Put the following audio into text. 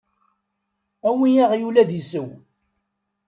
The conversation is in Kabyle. Awi aɣyul ad d-isew.